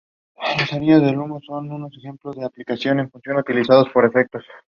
His father and sister Sarah perished in the Holocaust.